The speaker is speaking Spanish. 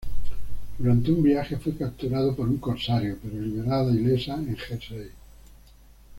Durante un viaje fue capturada por un corsario, pero liberada ilesa en Jersey.